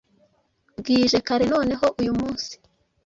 bwije kare noneho uyu munsi